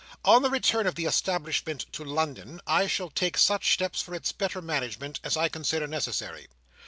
On the return of the establishment to London, I shall take such steps for its better management as I consider necessary.